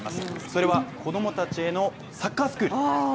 それは、子供たちへのサッカースクール。